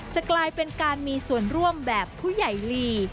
จะกลายเป็นการมีส่วนร่วมแบบผู้ใหญ่ลี